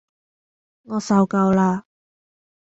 我受夠啦